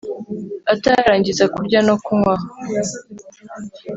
atararangiza kurya no kunywa